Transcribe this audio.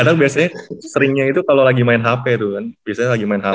karena biasanya seringnya itu kalau lagi main hp tuh kan biasanya lagi main hp